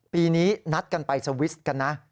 ปีนี้นัดกันไปสวิสกันนะ